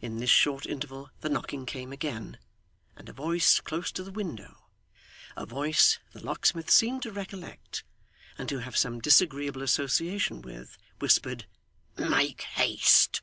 In this short interval the knocking came again, and a voice close to the window a voice the locksmith seemed to recollect, and to have some disagreeable association with whispered 'Make haste.